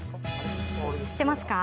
知ってますか？